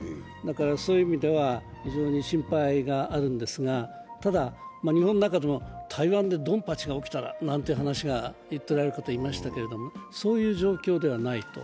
そういう意味では非常に心配があるんですが、ただ、日本の中でも、台湾でドンパチが起きたらなんていう話をしている人もいましたが、そういう状況ではないと。